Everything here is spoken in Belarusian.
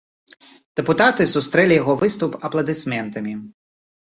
Дэпутаты сустрэлі яго выступ апладысментамі.